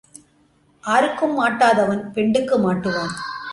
ஆருக்கும் மாட்டாதவன் பெண்டுக்கு மாட்டுவான்.